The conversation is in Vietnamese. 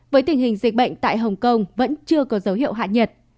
với tình hình dịch bệnh tại hồng kông vẫn chưa có dấu hiệu hạ nhiệt